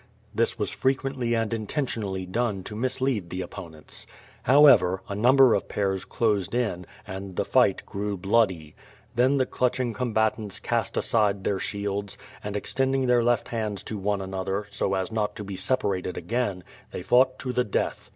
This was frequently and intentionally done to mislead the oppo nents. However, a number of pairs closed in, and the fight grew bloody. Then the clutching combatants cast aside their shields, and, extending their left hands to one another, so as not to be separated again, they fought to the death.